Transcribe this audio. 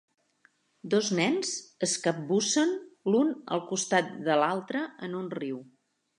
Dos nens es capbussen l'un al costat de l'altre en un riu.